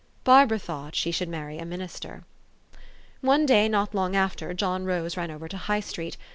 Barbara thought she should marry a minister. One day not long after, John Rose ran over to High Street.